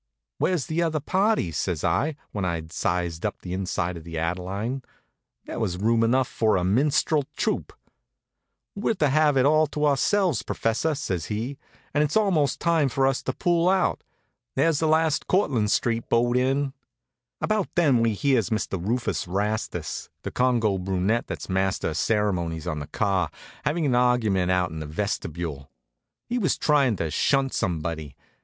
"Where's the other parties?" says I, when I'd sized up the inside of the Adeline. There was room enough for a minstrel troupe. "We're to have it all to ourselves, professor," says he. "And it's almost time for us to pull out; there's the last Cortlandt st. boat in." About then we hears Mr. Rufus Rastus, the Congo brunet that's master of ceremonies on the car, havin' an argument out in the vestibule. He was tryin' to shunt somebody.